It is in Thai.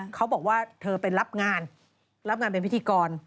เขาบอกว่าเธอไปรับงานรับงานเป็นพิธีกร